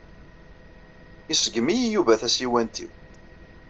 Iṣeggem-iyi Yuba tasiwant-inu.